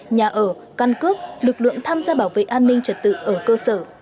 nhà ở căn cước lực lượng tham gia bảo vệ an ninh trật tự ở cơ sở